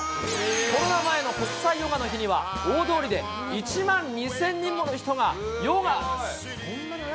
コロナ前の国際ヨガの日には、大通りで１万２０００人もの人がヨガ。